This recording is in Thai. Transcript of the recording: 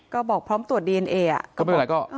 ก็บอกพร้อมตรวจดีเอนเออ่ะก็ไม่เป็นไรก็